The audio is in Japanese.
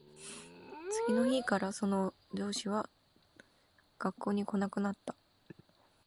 次の日からその女子は学校に来なくなった